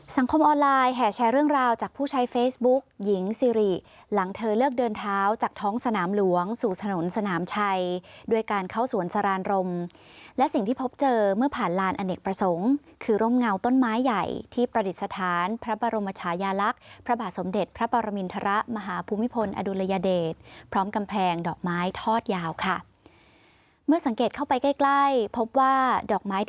สังคมออนไลน์แห่แชร์เรื่องราวจากผู้ชายเฟซบุ๊กหญิงซิริหลังเธอเลือกเดินเท้าจากท้องสนามหลวงสู่ถนนสนามชัยด้วยการเข้าสวนสรานรมและสิ่งที่พบเจอเมื่อผ่านลานอเนกประสงค์คือร่มเงาต้นไม้ใหญ่ที่ประดิษฐานพระบรมชายาลักษณ์พระบาทสมเด็จพระปรมินทรมาหาภูมิพลอดุลยเดชพร้อมกำแพงดอก